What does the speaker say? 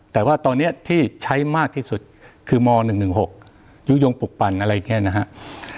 แต่ว่าตอนนี้ที่ใช้มากที่สุดคือม๑๑๖ยุโยงปลุกปั่นอะไรอย่างนี้นะครับ